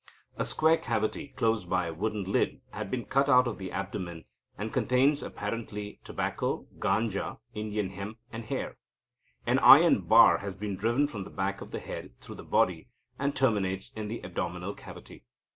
A square cavity, closed by a wooden lid, has been cut out of the abdomen, and contains apparently tobacco, ganja (Indian hemp), and hair. An iron bar has been driven from the back of the head through the body, and terminates in the abdominal cavity.